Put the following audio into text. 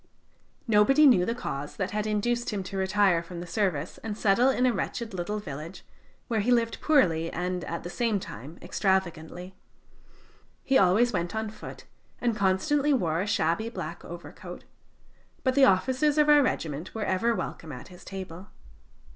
Nobody knew the cause that had induced him to retire from the service and settle in a wretched little village, where he lived poorly and, at the same time, extravagantly. He always went on foot, and constantly wore a shabby black overcoat, but the officers of our regiment were ever welcome at his table.